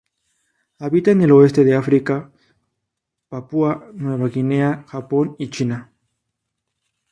Habita en el oeste de África, Papúa Nueva Guinea, Japón y China.